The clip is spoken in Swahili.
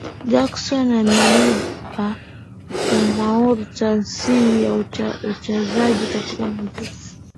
Jackson ameipa umaarufu tasnia ya uchezaji katika muziki